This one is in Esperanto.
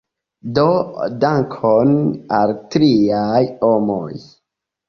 Do, dankon al tiaj homoj!